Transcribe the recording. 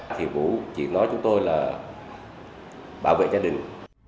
thì vũ chỉ nói chúng tôi là bảo vệ gia đình